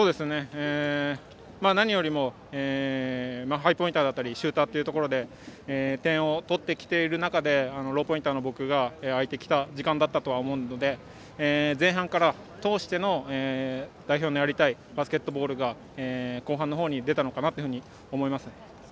何よりもハイポインターだったりシューターというところで点を取ってきている中でローポインターの僕があいてきた時間だったと思うので前半から通しての代表のやりたいバスケットボールが後半のほうに出たのかなと思います。